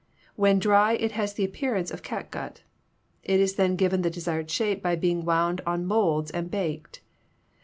When dry it has the appearance of catgut. It is then given the desired shape by being wound on molds and baked.